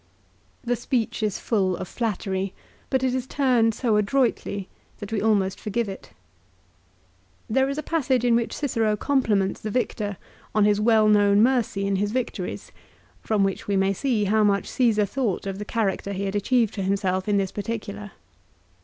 The speech is full of flattery, but it is turned so adroitly that we almost forgive it. 1 There is a passage in which Cicero compliments the victor on his well known mercy in his victories, from which we may see how much Csesar thought of the character he had achieved for himself in this particular.